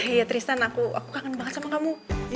iya tristan aku kangen banget sama kamu